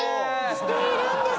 しているんです。